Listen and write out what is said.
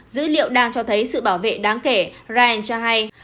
dữ liệu đang cho thấy sự bảo vệ đáng kể ryan cho hay